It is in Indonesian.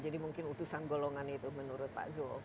atau mungkin utusan golongan itu menurut pak zulk